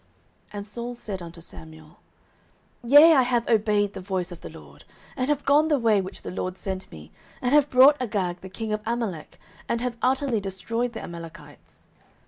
09:015:020 And Saul said unto Samuel, Yea, I have obeyed the voice of the LORD, and have gone the way which the LORD sent me, and have brought Agag the king of Amalek, and have utterly destroyed the Amalekites.